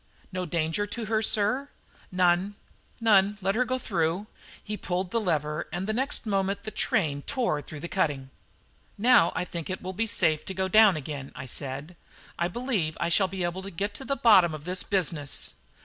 "No danger to her, sir?" "None, none; let her go through." He pulled the lever and the next moment the train tore through the cutting. "Now I think it will be safe to go down again," I said. "I believe I shall be able to get to the bottom of this business."